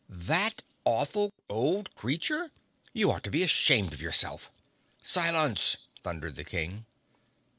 "That awful old creature! You ought to be ashamed of yourself!" "Silence!" thundered the King.